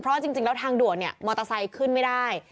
เพราะว่าจริงแล้วทางด่วนเนี่ยมอเตอร์ไซค์ขึ้นไม่ได้